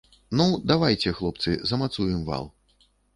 Ну, давайце, хлопцы, замацуем вал.